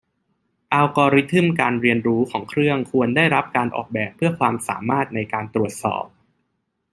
อัลกอริทึมการเรียนรู้ของเครื่องควรได้รับการออกแบบเพื่อความสามารถในการตรวจสอบ